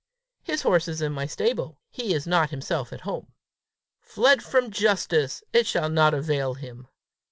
"His horse is in my stable; he is not himself at home." "Fled from justice! It shall not avail him!"